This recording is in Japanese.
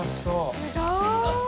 すごーい！